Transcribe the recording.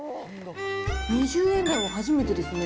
２０円台は初めてですね。